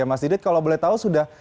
mas didit kalau boleh tahu sudah